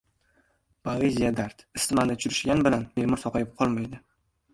Poeziya — dard. Isitmani tushirishgan bilan bemor sog‘ayib qolmaydi.